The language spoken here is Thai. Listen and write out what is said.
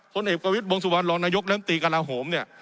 คุณเอกประวิทย์บรงสุบันรองนายกแรมตีการาโหมเนี้ย